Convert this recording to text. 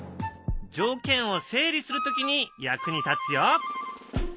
条件を整理する時に役に立つよ。